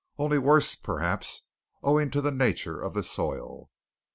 Only worse, perhaps, owing to the nature of the soil.